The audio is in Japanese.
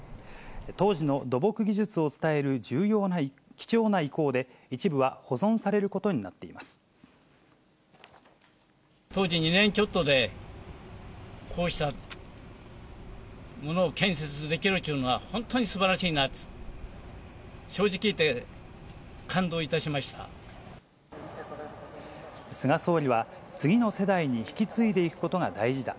当時の土木技術を伝える貴重な遺構で、一部は保存されることにな当時、２年ちょっとで、こうしたものを建設できるというのは、本当にすばらしいなと、菅総理は、次の世代に引き継いでいくことが大事だ。